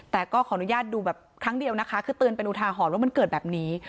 แต่ก็ขออนุญาตดูแบบครั้งเดียวนะคะคือเตือนเป็นอุทาหรณ์ว่ามันเกิดแบบนี้